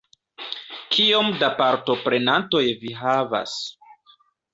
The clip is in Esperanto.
Kiom da partoprenantoj vi havas?